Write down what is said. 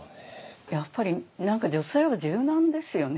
やっぱり何か女性は柔軟ですよねえてして。